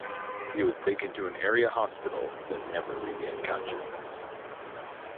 He was taken to an area hospital but never regained consciousness.